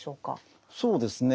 そうですね